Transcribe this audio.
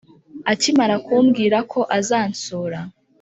akimara kumbwirako azansura